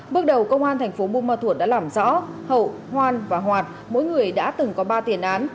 bước đầu công an tp bumatua đã làm rõ hậu hoan và hoạt mỗi người đã từng có ba tiền án